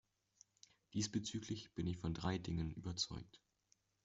Diesbezüglich bin ich von drei Dingen überzeugt.